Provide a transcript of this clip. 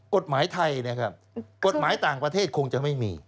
กฎหมายไทยนะครับกฎหมายต่างประเทศคงจะไม่มี